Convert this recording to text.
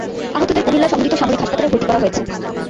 আহতদের কুমিল্লা সম্মিলিত সামরিক হাসপাতালে ভর্তি করা হয়েছে।